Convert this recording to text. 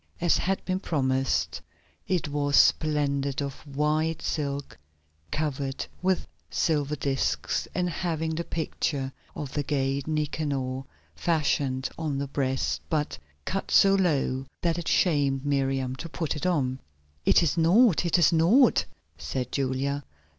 As had been promised, it was splendid, of white silk covered with silver discs and having the picture of the gate Nicanor fashioned on the breast, but cut so low that it shamed Miriam to put it on. "It is naught, it is naught," said Julia.